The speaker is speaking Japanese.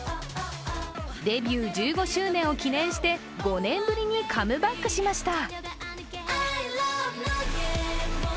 デビュー１５周年を記念して５年ぶりにカムバックしました。